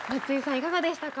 いかがでしたか？